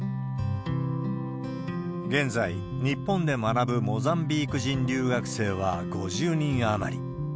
現在、日本で学ぶモザンビーク人留学生は５０人余り。